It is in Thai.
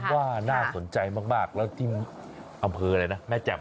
ว่าน่าสนใจมากแล้วที่อำเภออะไรนะแม่แจ่ม